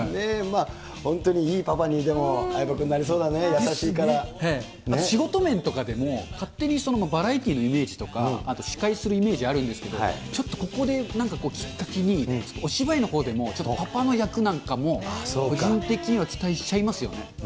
本当にいいパパに、でも、相葉君、仕事面とかでも、勝手にバラエティーのイメージとか、あと司会するイメージあるんですけど、ちょっと、ここでなんかこう、きっかけに、ちょっとお芝居のほうでも、ちょっとパパの役なんかも、個人的には期待しちゃいますよね。